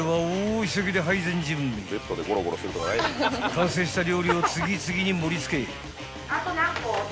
［完成した料理を次々に盛り付け］